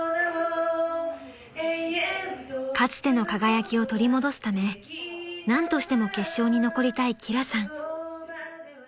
［かつての輝きを取り戻すため何としても決勝に残りたい輝さん］